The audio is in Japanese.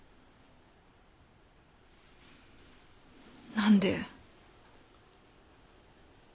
何で？